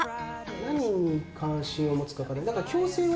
何に関心を持つかだから。